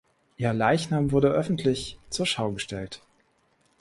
Ihr Leichnam wurde öffentlich zur Schau gestellt.